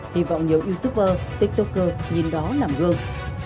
hy vọng nhiều youtuber tiktoker nhìn đó làm gương